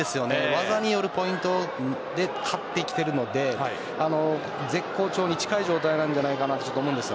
技によるポイントで勝ってきているので絶好調に近い状態だと思います。